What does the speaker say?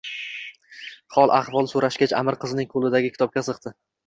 Hol-ahvol soʼrashgach, Аmir qizning qoʼlidagi kitobga qiziqdi.